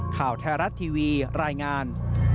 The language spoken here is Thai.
ข่าวไทยรัฐทีวีรายงาน